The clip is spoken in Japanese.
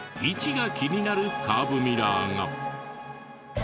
位置が気になるカーブミラーが。